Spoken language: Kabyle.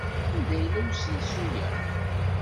Anda yella usensu-a?